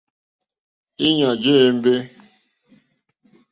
Íɲá jé ěmbé.